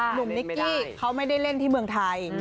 หนุ่มนิกกี้เขาไม่ได้เล่นที่เมืองไทย